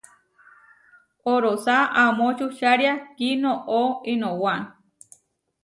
Orosá amo čučária kinoʼó inowá.